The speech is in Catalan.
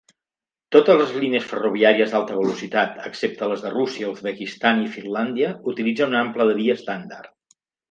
Totes les línies ferroviàries d'alta velocitat, excepte les de Rússia, l'Uzbekistan i Finlàndia utilitzen un ample de via estàndard.